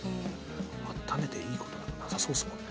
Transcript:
あっためていいことなさそうですもんね。